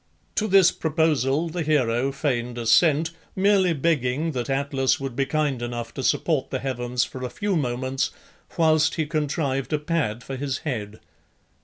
To this proposal the hero feigned assent, merely begging that Atlas would be kind enough to support the heavens for a few moments whilst he contrived a pad for his head.